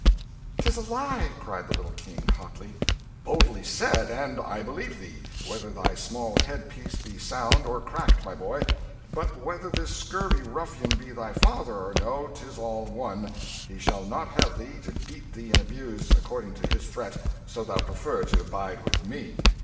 "'Tis a lie!" cried the little King, hotly. "Boldly said, and I believe thee, whether thy small headpiece be sound or cracked, my boy. But whether this scurvy ruffian be thy father or no, 'tis all one, he shall not have thee to beat thee and abuse, according to his threat, so thou prefer to bide with me."